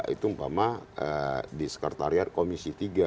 itu umpama di sekretariat komisi tiga